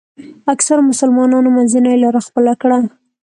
اکثرو مسلمانانو منځنۍ لاره خپله کړه.